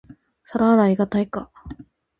皿洗いが対価